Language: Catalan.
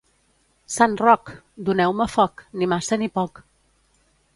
Sant Roc! Doneu-me foc, ni massa ni poc.